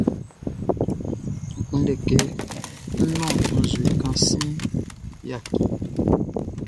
N kunndɛ kɛ ń nɔ́n nzue kan siɛnʼn, yaki.